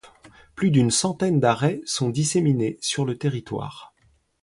Plus d'une centaine d'arrêts sont disséminés sur le territoire.